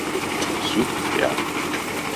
Сюкпря.